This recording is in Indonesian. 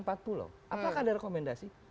apakah ada rekomendasi